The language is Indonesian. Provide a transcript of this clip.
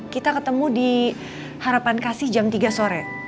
kita ketemu di harapan kasih jam tiga sore